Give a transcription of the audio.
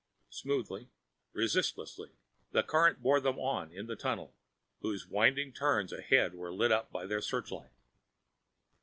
Smoothly, resistlessly, the current bore them on in the tunnel, whose winding turns ahead were lit up by their searchlight.